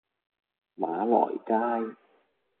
馬來街